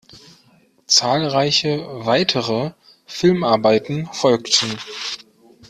Zahlreiche weitere Filmarbeiten folgten.